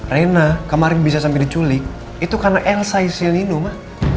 rina kemarin bisa sampai diculik itu karena elsa isi nino ma